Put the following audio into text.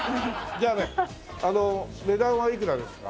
じゃあねあのメダルはいくらですか？